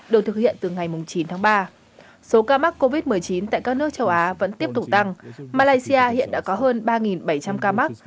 được thực hiện từ ngày chín tháng ba số ca mắc covid một mươi chín tại các nước châu á vẫn tiếp tục tăng malaysia hiện đã có hơn ba bảy trăm linh ca mắc